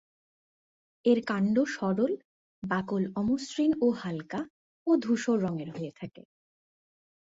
এর কাণ্ড সরল, বাকল অমসৃণ ও হালকা ও ধূসর রঙের হয়ে থাকে।